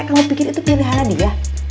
kamu pikir itu pilihannya dia